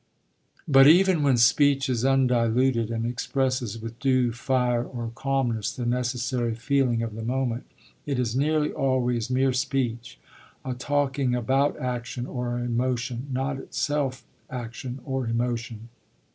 But, even when speech is undiluted, and expresses with due fire or calmness the necessary feeling of the moment, it is nearly always mere speech, a talking about action or emotion, not itself action or emotion.